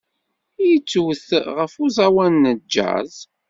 Yettwet ɣef uẓawan n jazz.